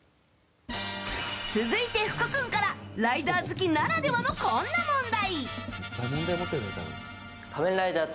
続いて、福君からライダー好きならではのこんな問題。